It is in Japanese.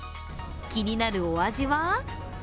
気になるお味は？